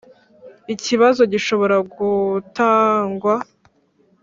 ikibazo gishobora gutangwa